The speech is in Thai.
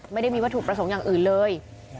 ไม่ได้มีวัตถุประสงค์อย่างอื่นเลย